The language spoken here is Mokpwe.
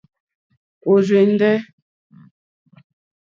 Ɔ̀rzɛ̀ndɛ́.